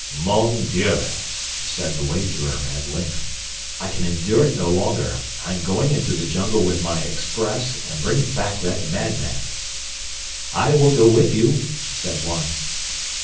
"Mon Dieu," said the wagerer at length, "I can endure it no longer. I am going into the jungle with my express and bring back that mad man." "I will go with you," said one.